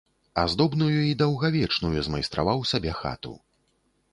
Аздобную і даўгавечную змайстраваў сабе хату.